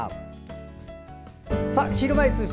「ひるまえ通信」